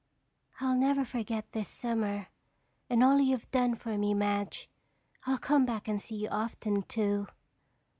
"I'll never forget this summer and all you've done for me, Madge. I'll come back and see you often too."